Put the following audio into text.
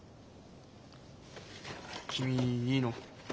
君いいの？